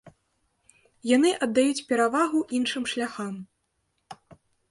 Яны аддаюць перавагу іншым шляхам.